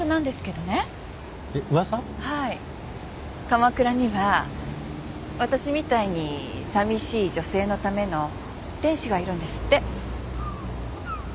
鎌倉には私みたいにさみしい女性のための天使がいるんですって。